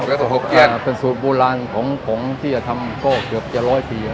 ฮูเปียสสฮดเคี้ยนเป็นสูตรโบราณของคนที่จะทำเกือบเจ้าร้อยปี